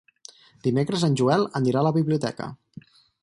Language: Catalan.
Dimecres en Joel anirà a la biblioteca.